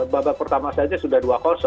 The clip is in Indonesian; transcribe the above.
babak pertama saja sudah dua